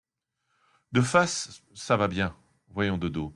De face, ça va bien ; voyons de dos.